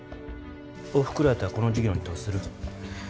おふくろやったらこの事業に投資する？